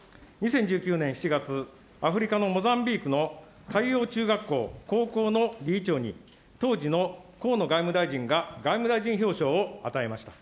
２０１９年７月、アフリカのモザンビークの中学校高校の理事長に、当時の河野外務大臣が外務大臣表彰を与えました。